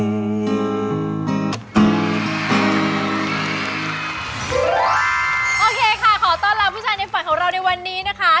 โอเคค่ะขอต้อนรับผู้ชายในฝันของเราในวันนี้นะคะ